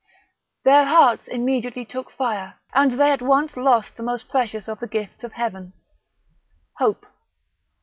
Their hearts immediately took fire, and they at once lost the most precious of the gifts of Heaven—Hope.